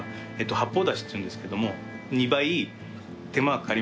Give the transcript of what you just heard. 八方だしっていうんですけども。